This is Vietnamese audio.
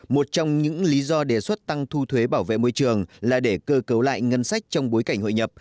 một trong những lý do đề xuất tăng thu thuế bảo vệ môi trường là để cơ cấu lại ngân sách trong bối cảnh hội nhập